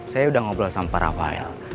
saya udah ngobrol sama pak rafael